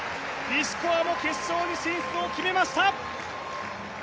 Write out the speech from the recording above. リシコワも決勝に進出を決めました。